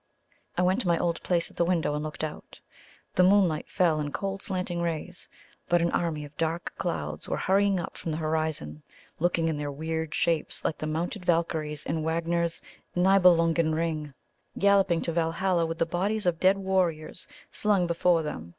I went to my old place at the window and looked out. The moonlight fell in cold slanting rays; but an army of dark clouds were hurrying up from the horizon, looking in their weird shapes like the mounted Walkyres in Wagner's "Niebelungen Ring," galloping to Walhalla with the bodies of dead warriors slung before them.